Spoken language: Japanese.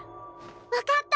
分かった！